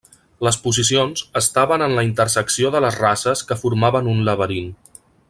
Les posicions estaven en la intersecció de les rases que formaven un laberint.